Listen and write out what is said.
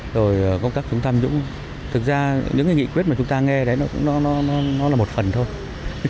rồi công tác trung tâm thực ra những cái nghị quyết mà chúng ta nghe đấy nó là một phần thôi